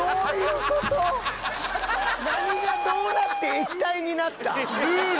何がどうなって液体になった？